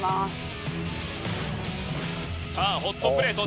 さあホットプレート